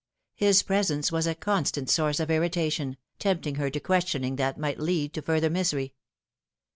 His presence was a con stant source of irritation, tempting her to questioning that might lead to further misery.